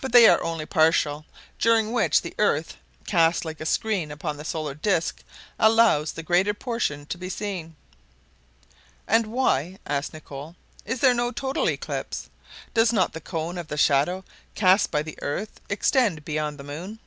But they are only partial, during which the earth, cast like a screen upon the solar disc, allows the greater portion to be seen." "And why," asked Nicholl, "is there no total eclipse? Does not the cone of the shadow cast by the earth extend beyond the moon?"